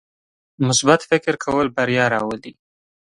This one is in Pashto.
مثبت فکر کول بریا راولي.